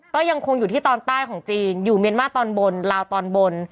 ก็ยังคงอยู่ที่ตอนใต้ของจีนอยู่เมียนมาตอนบนลาวตอนบน